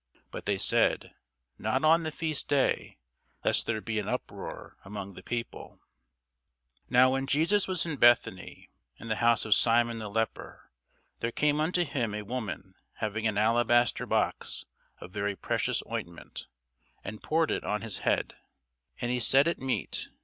But they said, Not on the feast day, lest there be an uproar among the people. [Sidenote: St. Matthew 26] Now when Jesus was in Bethany, in the house of Simon the leper, there came unto him a woman having an alabaster box of very precious ointment, and poured it on his head, as he sat at meat.